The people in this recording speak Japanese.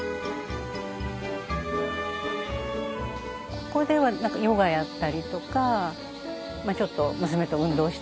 ここではヨガやったりとかちょっと娘と運動したりとか。